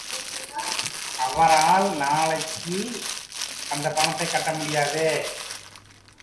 அவரால் நாளைக்கு அந்தப் பணத்தைக் கட்ட முடியாது.